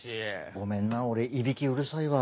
ごめんな俺いびきうるさいわ。